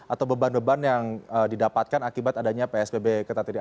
atau beban beban yang didapatkan akibat adanya psbb ketatidik